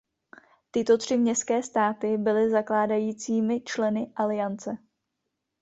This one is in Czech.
Tyto tři městské státy byly zakládajícími členy aliance.